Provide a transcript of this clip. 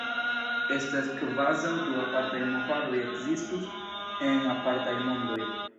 Estas kvazaŭ du apartaj movadoj ekzistus en apartaj mondoj.